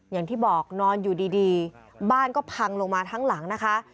อย่างที่บอกนอนอยู่ดีบ้านก็พังลงมาทั้งหลังนะคะ